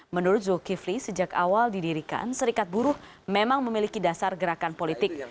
menurut zulkifli sejak awal didirikan serikat buruh memang memiliki dasar gerakan politik